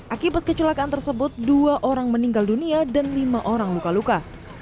akibat kecelakaan tersebut dua orang meninggal dunia dan lima orang luka luka